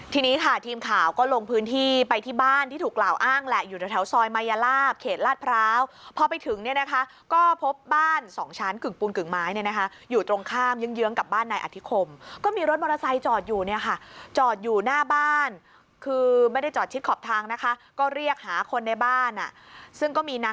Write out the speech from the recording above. ทีนี้ค่ะทีมข่าวก็ลงพื้นที่ไปที่บ้านที่ถูกกล่าวอ้างแหละอยู่แถวซอยมายาลาบเขตลาดพร้าวพอไปถึงเนี่ยนะคะก็พบบ้านสองชั้นกึ่งปูนกึ่งไม้เนี่ยนะคะอยู่ตรงข้ามเยื้องเยื้องกับบ้านนายอธิคมก็มีรถมอเตอร์ไซค์จอดอยู่เนี่ยค่ะจอดอยู่หน้าบ้านคือไม่ได้จอดชิดขอบทางนะคะก็เรียกหาคนในบ้านอ่ะซึ่งก็มีนาง